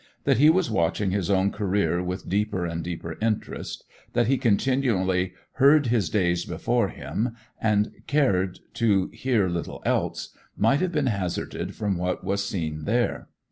That he was watching his own career with deeper and deeper interest, that he continually 'heard his days before him,' and cared to hear little else, might have been hazarded from what was seen there.